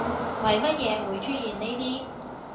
為乜嘢會出現呢啲